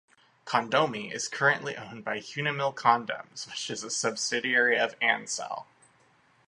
Condomi is currently owned by Unimill Condoms, which is a subsidiary of Ansell.